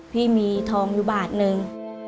พี่มีทองอยู่บาทนึง